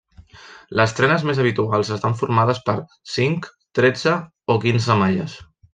Les trenes més habituals estan formades per cinc, tretze o quinze malles.